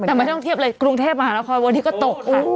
แต่ไม่ต้องเทียบเลยกรุงเทพมหานครวันนี้ก็ตกค่ะ